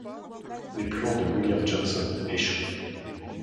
Les plans de William Johnson échouent.